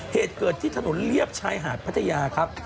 เหตุเกิดที่ถนนเรียบชายหาดพัทยาครับ